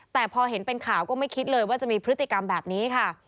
แต่พอเห็นเป็นข่าวก็ไม่คิดเลยว่าจะมีพฤติกรรมแบบนี้ค่ะ